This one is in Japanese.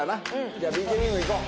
じゃあＢＫＢもいこう。